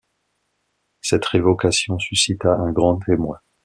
Cette révocation suscita un grand émoi.